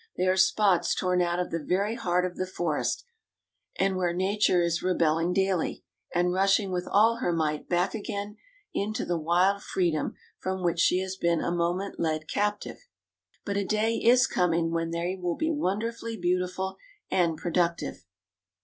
They are spots torn out of the very heart of the forest, and where Nature is rebelling daily, and rushing with all her might back again into the wild freedom from which she has been a moment led captive. But a day is coming when they will be wonderfully beautiful and productive.